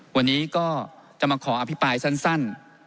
วันนี้ก็จะมาขออภิปรายสั้น